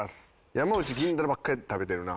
山内銀だらばっかり食べてるな。